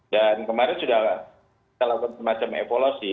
dan kemarin sudah kita lakukan semacam evolusi